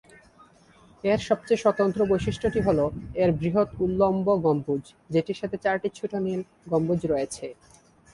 এর সবচেয়ে স্বতন্ত্র বৈশিষ্ট্যটি হলো এর বৃহৎ উল্লম্ব গম্বুজ, যেটির সাথে চারটি ছোট নীল গম্বুজ রয়েছে।